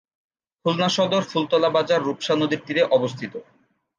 খুলনা সদর, ফুলতলা বাজার রূপসা নদীর তীরে অবস্থিত।